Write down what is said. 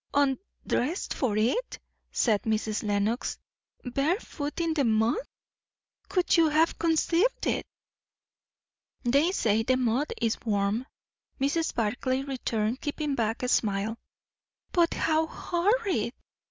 "_Un_dressed for it," said Mrs. Lenox. "Barefoot in the mud! Could you have conceived it!" "They say the mud is warm," Mrs. Barclay returned, keeping back a smile. "But how horrid!"